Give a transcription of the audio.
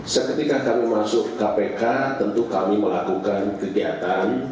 seketika kami masuk kpk tentu kami melakukan kegiatan